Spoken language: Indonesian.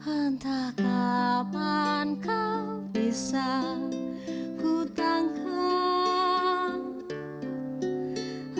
entah kapan kau bisa kutangkap